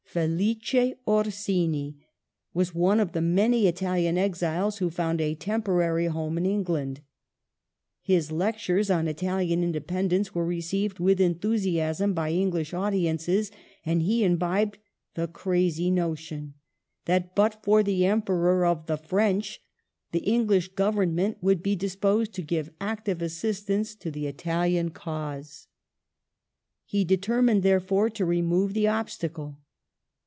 Felice Oi'sini was one of the many Italian exiles who found a temporary home in England. His lectures on Italian independence were received with enthusiasm by English audiences, and he imbibed the crazy notion that, but for the Emperor of the French, the English Government would be disposed to give active assistance to the Italian cause. He determined, therefore, to remove the obstacle.